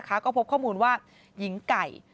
ก็พบข้อมูลว่าหญิงไก่